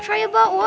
tadi bahasa inggris